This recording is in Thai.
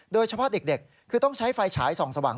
โดยเฉพาะเด็กคือต้องใช้ไฟฉายส่องสว่าง